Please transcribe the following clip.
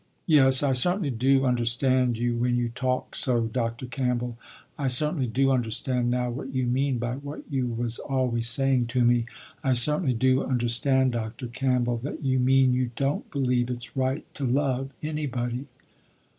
"Yes I certainly do understand you when you talk so Dr. Campbell. I certainly do understand now what you mean by what you was always saying to me. I certainly do understand Dr. Campbell that you mean you don't believe it's right to love anybody."